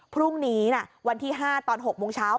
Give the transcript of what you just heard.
พรุ่งนี้วันที่๕ตอน๖โมงเช้า